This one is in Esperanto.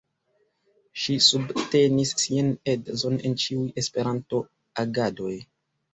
Ŝi subtenis sian edzon en ĉiuj Esperanto-agadoj.